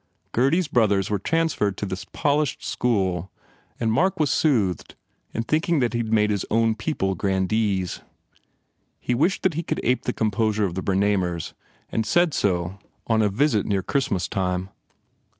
Gurdy s brothers were transferred to this polished school and Mark was soothed, in thinking that he d made his own people grandees. He wished that he could ape the composure of the Bernamers and said so on a visit near Christmas time.